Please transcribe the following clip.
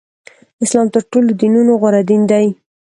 اسلام تر ټولو دینونو غوره دین دی.